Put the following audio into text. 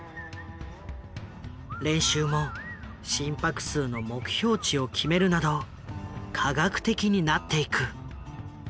練習も心拍数の目標値を決めるなど科学的になっていく。